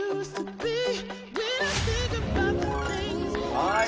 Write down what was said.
はい。